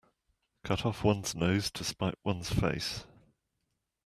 Cut off one's nose to spite one's face.